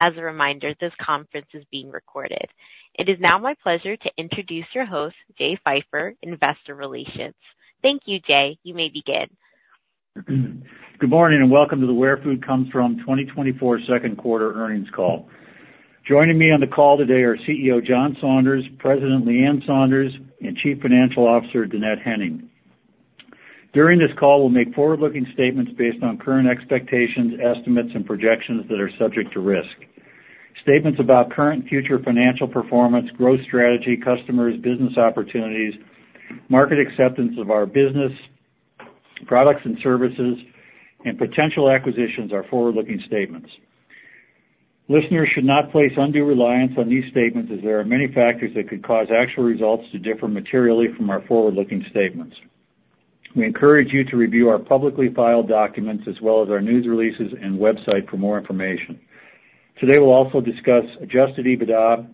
...As a reminder, this conference is being recorded. It is now my pleasure to introduce your host, Jay Pfeiffer, Investor Relations. Thank you, Jay. You may begin. Good morning, and welcome to the Where Food Comes From 2024 second quarter earnings call. Joining me on the call today are CEO, John Saunders, President, Leann Saunders, and Chief Financial Officer, Dannette Henning. During this call, we'll make forward-looking statements based on current expectations, estimates, and projections that are subject to risk. Statements about current and future financial performance, growth strategy, customers, business opportunities, market acceptance of our business, products and services, and potential acquisitions are forward-looking statements. Listeners should not place undue reliance on these statements, as there are many factors that could cause actual results to differ materially from our forward-looking statements. We encourage you to review our publicly filed documents as well as our news releases and website for more information. Today, we'll also discuss Adjusted EBITDA,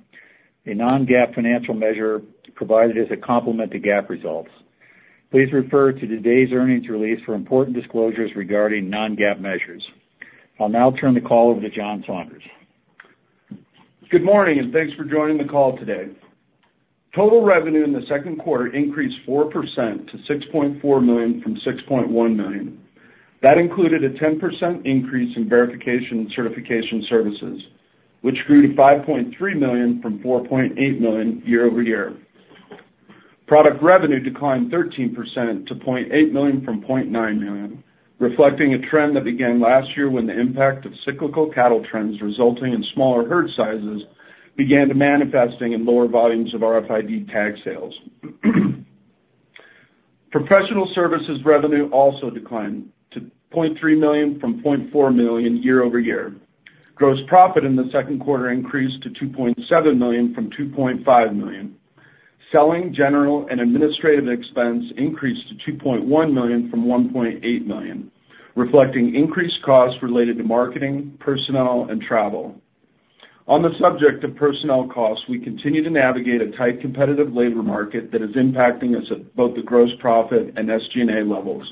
a non-GAAP financial measure provided as a complement to GAAP results. Please refer to today's earnings release for important disclosures regarding non-GAAP measures. I'll now turn the call over to John Saunders. Good morning, and thanks for joining the call today. Total revenue in the second quarter increased 4% to $6.4 million from $6.1 million. That included a 10% increase in verification and certification services, which grew to $5.3 million from $4.8 million year-over-year. Product revenue declined 13% to $0.8 million from $0.9 million, reflecting a trend that began last year when the impact of cyclical cattle trends, resulting in smaller herd sizes, began manifesting in lower volumes of RFID tag sales. Professional services revenue also declined to $0.3 million from $0.4 million year-over-year. Gross profit in the second quarter increased to $2.7 million from $2.5 million. Selling, general, and administrative expense increased to $2.1 million from $1.8 million, reflecting increased costs related to marketing, personnel, and travel. On the subject of personnel costs, we continue to navigate a tight, competitive labor market that is impacting us at both the gross profit and SG&A levels.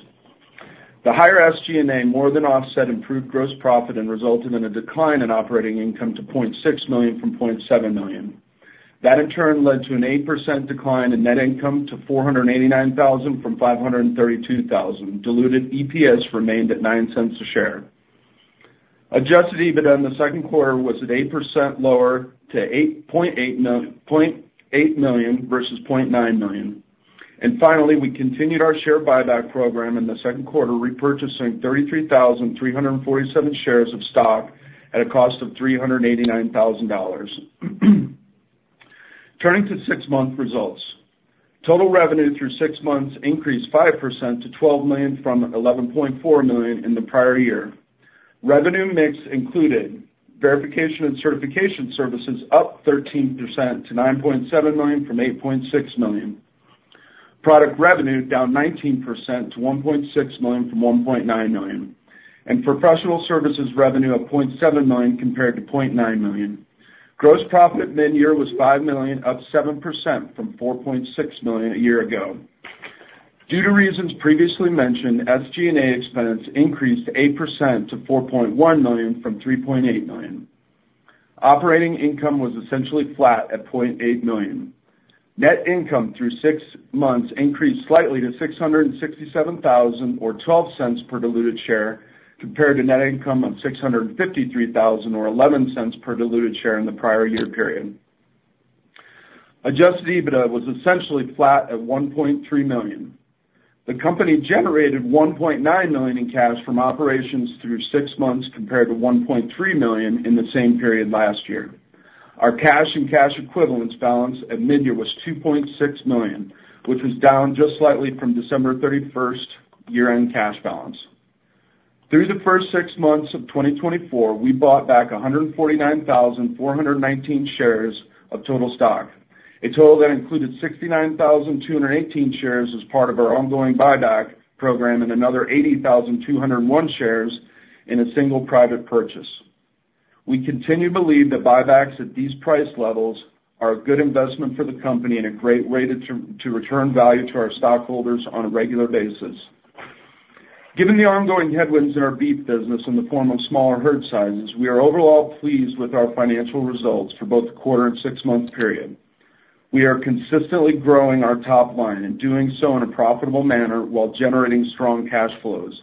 The higher SG&A more than offset improved gross profit and resulted in a decline in operating income to $0.6 million from $0.7 million. That, in turn, led to an 8% decline in net income to $489 thousand from $532 thousand. Diluted EPS remained at $0.09 a share. Adjusted EBITDA in the second quarter was 8% lower to $0.8 million versus $0.9 million. And finally, we continued our share buyback program in the second quarter, repurchasing 33,347 shares of stock at a cost of $389,000. Turning to six-month results. Total revenue through six months increased 5% to $12 million from $11.4 million in the prior year. Revenue mix included verification and certification services up 13% to $9.7 million from $8.6 million. Product revenue down 19% to $1.6 million from $1.9 million, and professional services revenue of $0.7 million compared to $0.9 million. Gross profit at mid-year was $5 million, up 7% from $4.6 million a year ago. Due to reasons previously mentioned, SG&A expense increased 8% to $4.1 million from $3.8 million. Operating income was essentially flat at $0.8 million. Net income through 6 months increased slightly to $667,000, or $0.12 per diluted share, compared to net income of $653,000, or $0.11 per diluted share in the prior year period. Adjusted EBITDA was essentially flat at $1.3 million. The company generated $1.9 million in cash from operations through 6 months, compared to $1.3 million in the same period last year. Our cash and cash equivalents balance at mid-year was $2.6 million, which was down just slightly from December 31st year-end cash balance. Through the first six months of 2024, we bought back 149,419 shares of total stock, a total that included 69,218 shares as part of our ongoing buyback program and another 80,201 shares in a single private purchase. We continue to believe that buybacks at these price levels are a good investment for the company and a great way to return value to our stockholders on a regular basis. Given the ongoing headwinds in our beef business in the form of smaller herd sizes, we are overall pleased with our financial results for both the quarter and six-month period. We are consistently growing our top line and doing so in a profitable manner while generating strong cash flows.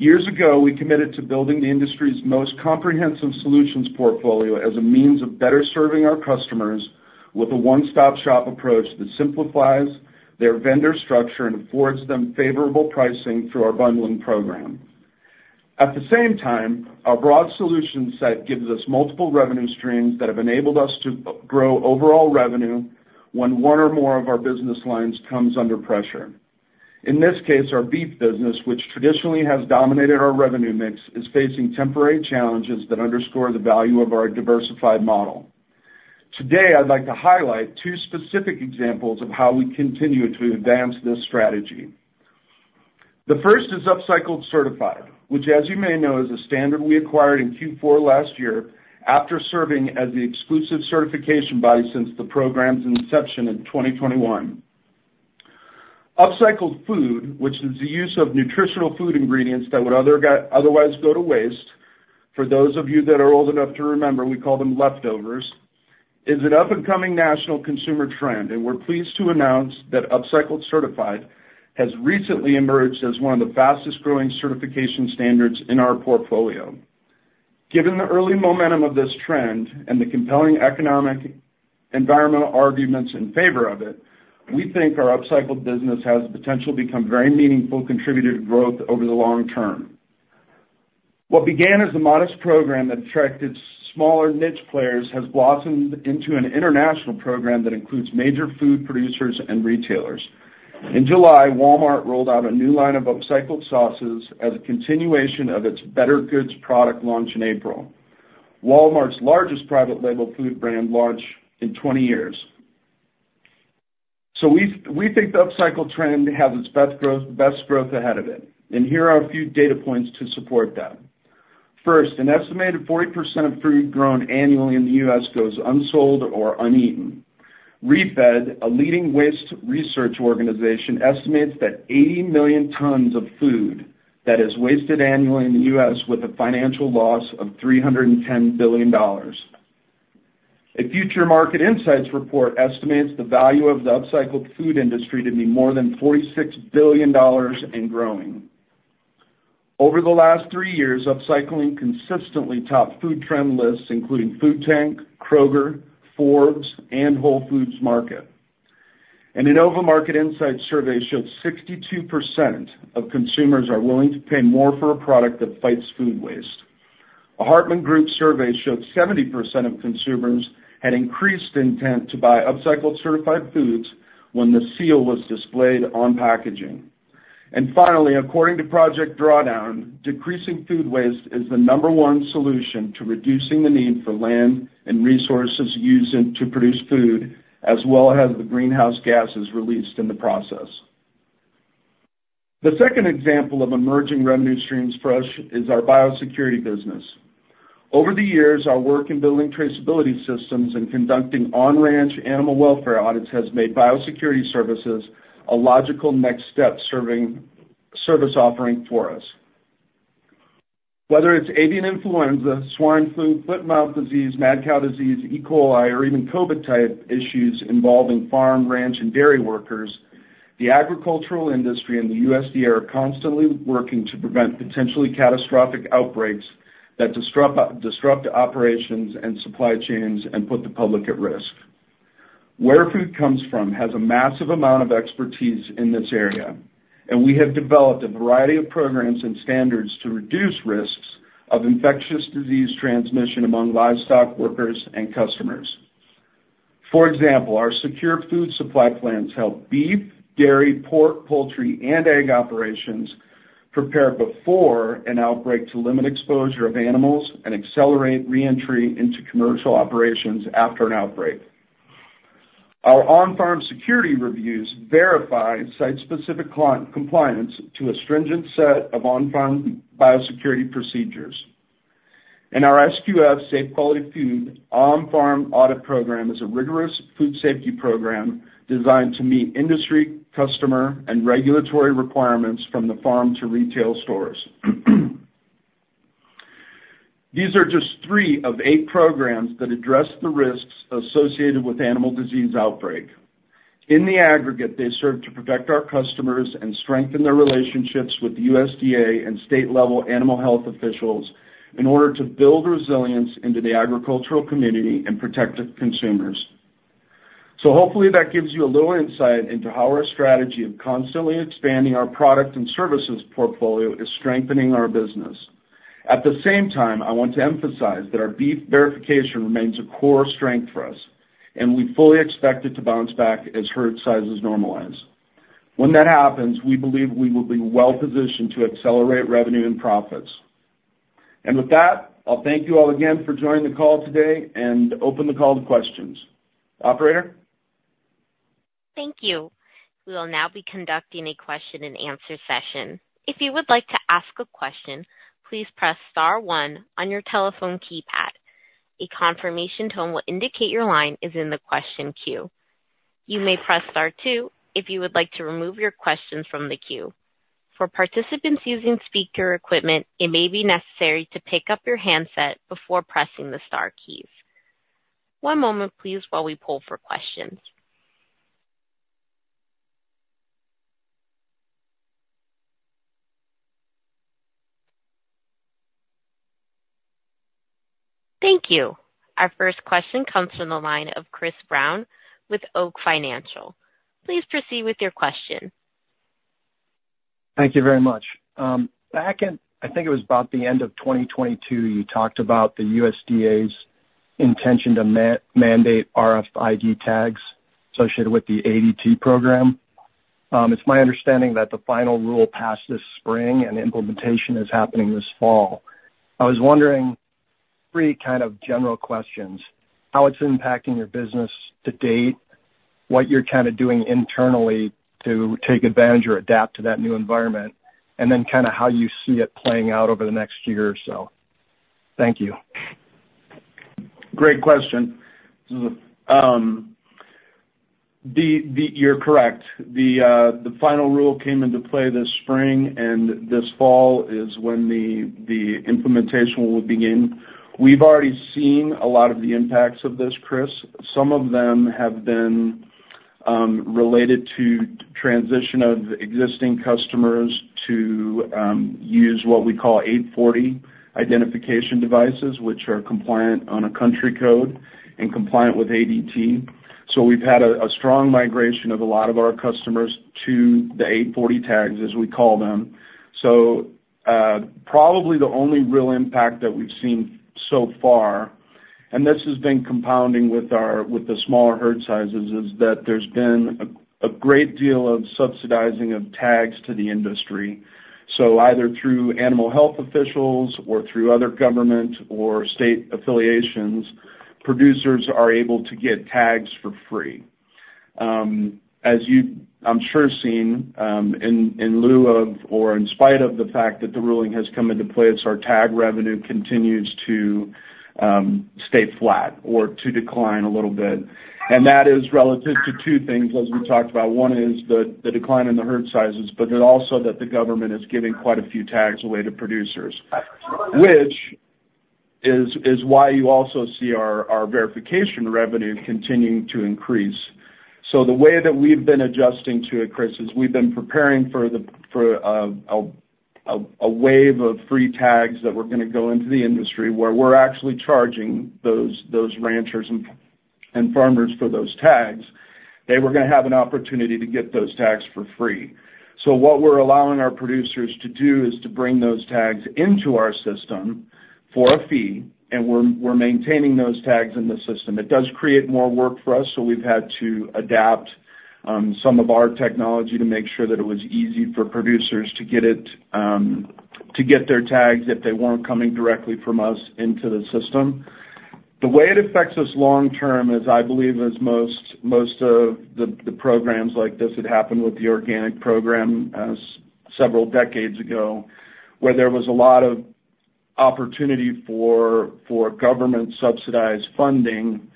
Years ago, we committed to building the industry's most comprehensive solutions portfolio as a means of better serving our customers with a one-stop-shop approach that simplifies their vendor structure and affords them favorable pricing through our bundling program. At the same time, our broad solution set gives us multiple revenue streams that have enabled us to grow overall revenue when one or more of our business lines comes under pressure. In this case, our beef business, which traditionally has dominated our revenue mix, is facing temporary challenges that underscore the value of our diversified model. Today, I'd like to highlight two specific examples of how we continue to advance this strategy. The first is Upcycled Certified, which, as you may know, is a standard we acquired in Q4 last year after serving as the exclusive certification body since the program's inception in 2021. Upcycled food, which is the use of nutritional food ingredients that would otherwise go to waste, for those of you that are old enough to remember, we call them leftovers, is an up-and-coming national consumer trend, and we're pleased to announce that Upcycled Certified has recently emerged as one of the fastest-growing certification standards in our portfolio. Given the early momentum of this trend and the compelling economic environmental arguments in favor of it, we think our upcycled business has the potential to become very meaningful contributor to growth over the long term. What began as a modest program that attracted smaller niche players, has blossomed into an international program that includes major food producers and retailers. In July, Walmart rolled out a new line of upcycled sauces as a continuation of its bettergoods product launch in April, Walmart's largest private label food brand launch in 20 years. So we think the upcycle trend has its best growth, best growth ahead of it, and here are a few data points to support that. First, an estimated 40% of food grown annually in the U.S. goes unsold or uneaten. ReFED, a leading waste research organization, estimates that 80 million tons of food that is wasted annually in the U.S., with a financial loss of $310 billion. A Future Market Insights report estimates the value of the upcycled food industry to be more than $46 billion and growing. Over the last 3 years, upcycling consistently topped food trend lists, including Food Tank, Kroger, Forbes, and Whole Foods Market. Innova Market Insights survey showed 62% of consumers are willing to pay more for a product that fights food waste. A Hartman Group survey showed 70% of consumers had increased intent to buy Upcycled Certified foods when the seal was displayed on packaging. Finally, according to Project Drawdown, decreasing food waste is the number one solution to reducing the need for land and resources used to produce food, as well as the greenhouse gases released in the process. The second example of emerging revenue streams for us is our biosecurity business. Over the years, our work in building traceability systems and conducting on-ranch animal welfare audits has made biosecurity services a logical next step service offering for us. Whether it's avian influenza, swine flu, foot-and-mouth disease, mad cow disease, E. coli. coli, or even COVID-type issues involving farm, ranch, and dairy workers, the agricultural industry and the USDA are constantly working to prevent potentially catastrophic outbreaks that disrupt operations and supply chains and put the public at risk. Where Food Comes From has a massive amount of expertise in this area, and we have developed a variety of programs and standards to reduce risks of infectious disease transmission among livestock workers and customers. For example, our Secure Food Supply plans help beef, dairy, pork, poultry, and egg operations prepare before an outbreak to limit exposure of animals and accelerate reentry into commercial operations after an outbreak. Our on-farm security reviews verify site-specific client compliance to a stringent set of on-farm biosecurity procedures. Our SQF Safe Quality Food On-Farm Audit Program is a rigorous food safety program designed to meet industry, customer, and regulatory requirements from the farm to retail stores. These are just 3 of 8 programs that address the risks associated with animal disease outbreak. In the aggregate, they serve to protect our customers and strengthen their relationships with the USDA and state-level animal health officials in order to build resilience into the agricultural community and protect the consumers. So hopefully, that gives you a little insight into how our strategy of constantly expanding our product and services portfolio is strengthening our business. At the same time, I want to emphasize that our beef verification remains a core strength for us, and we fully expect it to bounce back as herd sizes normalize. When that happens, we believe we will be well-positioned to accelerate revenue and profits. With that, I'll thank you all again for joining the call today and open the call to questions. Operator? Thank you. We will now be conducting a question-and-answer session. If you would like to ask a question, please press star one on your telephone keypad. A confirmation tone will indicate your line is in the question queue. You may press star two if you would like to remove your questions from the queue. For participants using speaker equipment, it may be necessary to pick up your handset before pressing the star keys. One moment, please, while we pull for questions. Thank you. Our first question comes from the line of Chris Brown with Oak Financial. Please proceed with your question. Thank you very much. Back in, I think it was about the end of 2022, you talked about the USDA's intention to mandate RFID tags associated with the ADT program. It's my understanding that the final rule passed this spring and implementation is happening this fall. I was wondering three kind of general questions: how it's impacting your business to date, what you're kind of doing internally to take advantage or adapt to that new environment, and then kind of how you see it playing out over the next year or so. Thank you.... Great question. You're correct. The final rule came into play this spring, and this fall is when the implementation will begin. We've already seen a lot of the impacts of this, Chris. Some of them have been related to transition of existing customers to use what we call 840 identification devices, which are compliant on a country code and compliant with ADT. So we've had a strong migration of a lot of our customers to the 840 tags, as we call them. So, probably the only real impact that we've seen so far, and this has been compounding with the smaller herd sizes, is that there's been a great deal of subsidizing of tags to the industry. So either through animal health officials or through other government or state affiliations, producers are able to get tags for free. As you I'm sure seen, in lieu of or in spite of the fact that the ruling has come into play, as our tag revenue continues to stay flat or to decline a little bit, and that is relative to two things as we talked about. One is the decline in the herd sizes, but then also that the government is giving quite a few tags away to producers, which is why you also see our verification revenue continuing to increase. So the way that we've been adjusting to it, Chris, is we've been preparing for a wave of free tags that were gonna go into the industry, where we're actually charging those ranchers and farmers for those tags. They were gonna have an opportunity to get those tags for free. So what we're allowing our producers to do is to bring those tags into our system for a fee, and we're maintaining those tags in the system. It does create more work for us, so we've had to adapt some of our technology to make sure that it was easy for producers to get it, to get their tags if they weren't coming directly from us into the system. The way it affects us long term is, I believe, as most of the programs like this that happened with the organic program as several decades ago, where there was a lot of opportunity for government-subsidized funding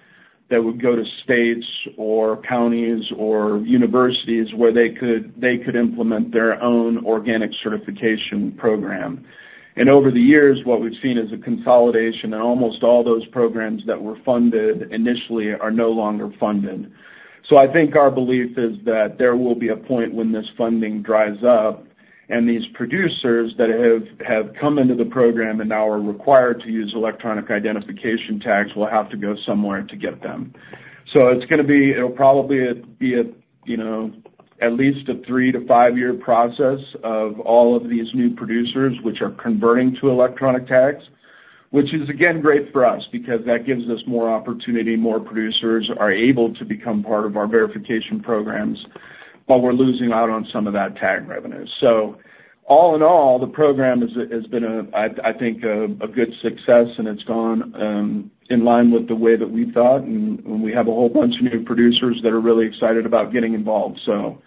that would go to states or counties or universities where they could implement their own organic certification program. And over the years, what we've seen is a consolidation in almost all those programs that were funded initially are no longer funded. So I think our belief is that there will be a point when this funding dries up, and these producers that have come into the program and now are required to use electronic identification tags, will have to go somewhere to get them. So it's gonna be... It'll probably be a, you know, at least a 3- to 5-year process of all of these new producers, which are converting to electronic tags, which is, again, great for us because that gives us more opportunity. More producers are able to become part of our verification programs, but we're losing out on some of that tag revenue. So all in all, the program is, has been a, I think, a good success, and it's gone in line with the way that we thought. And we have a whole bunch of new producers that are really excited about getting involved. So,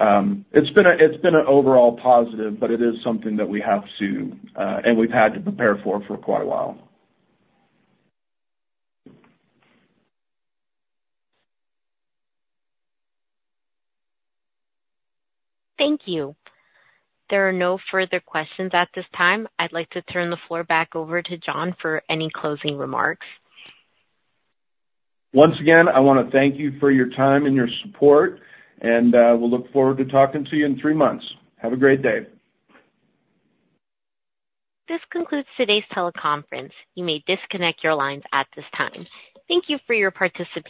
it's been an overall positive, but it is something that we have to, and we've had to prepare for for quite a while. Thank you. There are no further questions at this time. I'd like to turn the floor back over to John for any closing remarks. Once again, I wanna thank you for your time and your support, and we'll look forward to talking to you in three months. Have a great day. This concludes today's teleconference. You may disconnect your lines at this time. Thank you for your participation.